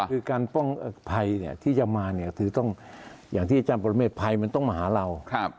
คือการป้องภัยที่จะมาอย่างที่อาจารย์บรมเมฆภัยมันต้องมาหาเรา